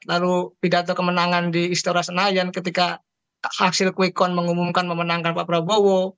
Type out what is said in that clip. lalu pidato kemenangan di istora senayan ketika hasil quick count mengumumkan memenangkan pak prabowo